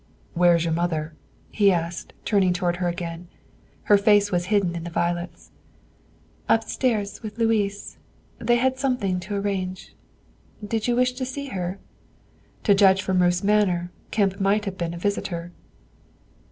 "Where is your mother?" he asked, turning toward her again. Her face was hidden in the violets. "Upstairs with Louis. They had something to arrange. Did you wish to see her?" To judge from Ruth's manner, Kemp might have been a visitor.